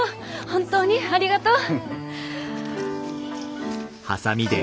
本当にありがとう！